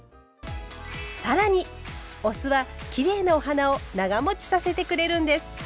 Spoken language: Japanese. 更にお酢はきれいなお花を長もちさせてくれるんです。